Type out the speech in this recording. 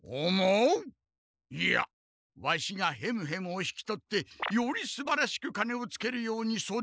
いやワシがヘムヘムを引き取ってよりすばらしく鐘をつけるように育ててみせる！